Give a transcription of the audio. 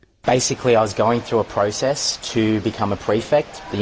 sebenarnya saya telah melalui proses untuk menjadi prefek